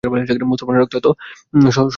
মুসলমানের রক্ত এত সস্তা নয়।